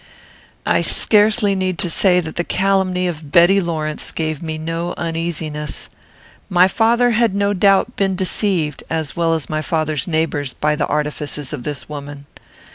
I scarcely need to say that the calumny of Betty Lawrence gave me no uneasiness. My father had no doubt been deceived, as well as my father's neighbours, by the artifices of this woman.